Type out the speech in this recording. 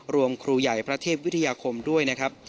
ครูใหญ่พระเทพวิทยาคมด้วยนะครับ